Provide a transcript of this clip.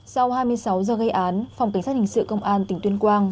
sau hai mươi sáu giờ gây án phòng cảnh sát hình sự công an tỉnh tuyên quang